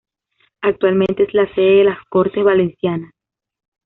Actualmente es la sede de las Cortes Valencianas.